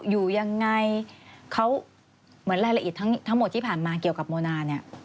อยู่ยังไงเขาเหมือนรายละเอียดทั้งหมดที่ผ่านมาเกี่ยวกับโมนาเนี่ย